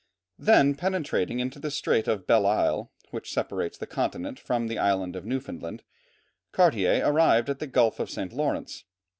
Then penetrating into the Strait of Belle Isle, which separates the continent from the Island of Newfoundland, Cartier arrived at the Gulf of St. Lawrence.